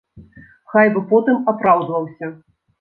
Хай бы потым апраўдваўся.